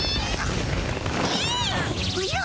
おじゃ？